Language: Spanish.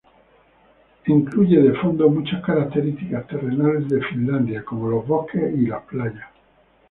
Incluye de fondo muchas características terrenales de Finlandia, como los bosques y las playas.